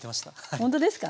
ほんとですか？